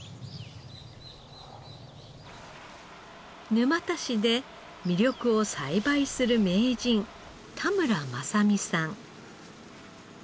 沼田市で味緑を栽培する名人田村昌美さん。